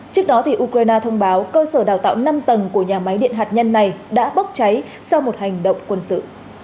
trước đó ukraine thông báo cơ sở đào tạo năm tầng của nhà máy điện hạt nhân này đã bốc cháy sau một hành động quân sự